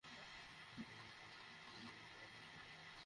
আমার হাটতে যেতে ইচ্ছে করছে না।